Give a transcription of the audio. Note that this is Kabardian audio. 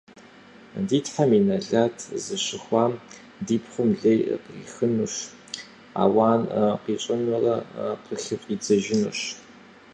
- Ди Тхьэм и нэлат зыщыхуам ди пхъум лей кърихынущ, ауан къищӀынурэ къыхыфӀидзэжынущ.